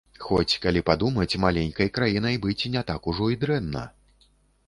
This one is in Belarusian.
Хоць, калі падумаць, маленькай краінай быць не так ужо і дрэнна.